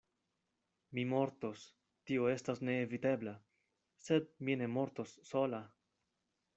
Mi mortos; tio estas neevitebla: sed mi ne mortos sola.